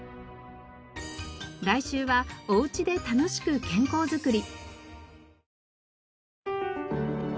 来週はおうちで楽しく健康づくり。